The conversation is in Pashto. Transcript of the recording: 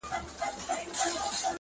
ژوند مي د هوا په لاس کي وليدی ـ